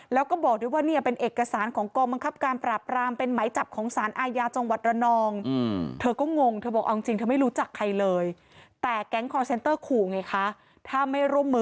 แล้วก็บอกด้วยว่าเนี่ยเป็นเอกสารของกรมบังคับการปราบราม